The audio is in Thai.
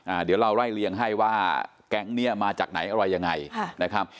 เดี๋ยวเราไล่เลี่ยงให้ว่าแก๊งเนี้ยมาจากไหนอะไรยังไงค่ะนะครับ